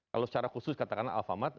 kalau secara khusus katakanlah alfamart